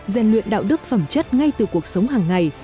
gian luyện đạo đức phẩm chất ngay từ cuộc sống hàng ngày